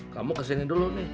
kamu kesini dulu nih